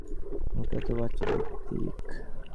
ওটা তো বাচ্চাদের দিক?